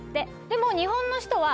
でも日本の人は。